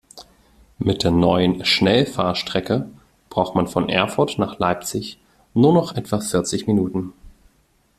Mit der neuen Schnellfahrstrecke braucht man von Erfurt nach Leipzig nur noch etwa vierzig Minuten